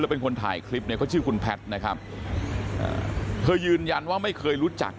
และเป็นคนถ่ายคลิปก็ชื่อคุณแพทนะครับเธอยืนยันว่าไม่เคยรู้จัก